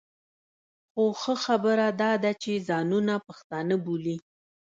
خو ښه خبره دا ده چې ځانونه پښتانه بولي.